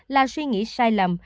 là suy nghĩ sai lầm